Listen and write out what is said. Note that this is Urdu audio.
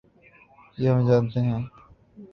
ہم جانتے ہیں۔